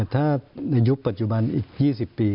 ถ้าในยุคปัจจุบันอีก๒๐ปี